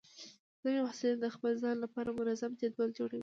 ځینې محصلین د خپل ځان لپاره منظم جدول جوړوي.